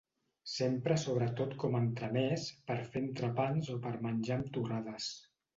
S’empra sobretot com a entremès, per fer entrepans o per menjar amb torrades.